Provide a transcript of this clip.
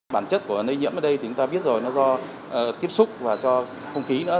bản chất của lây nhiễm ở đây thì chúng ta biết rồi nó do tiếp xúc và cho không khí nữa